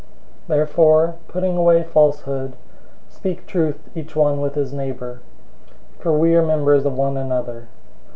004:025 Therefore, putting away falsehood, speak truth each one with his neighbor. For we are members of one another.